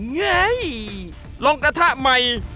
ไงลงกระทะใหม่